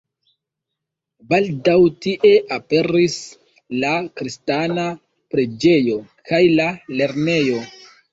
Baldaŭ tie aperis la kristana preĝejo kaj la lernejo.